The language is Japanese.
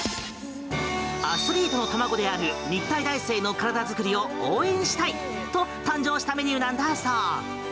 アスリートの卵である日体大生の体作りを応援したいと誕生したメニューなんだそう。